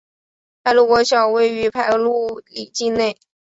排路国小位于排路里境内。